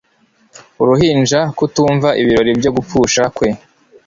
Uruhinja kutumva ibirori byo gupfusha kwe